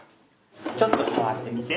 ちょっとさわってみて。